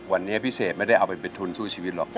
วันนี้พิเศษไม่ได้เอาไปเป็นทุนสู้ชีวิตหรอก